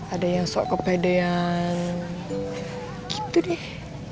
ada yang soal kepedean gitu deh